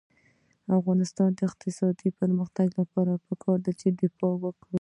د افغانستان د اقتصادي پرمختګ لپاره پکار ده چې دفاع وکړو.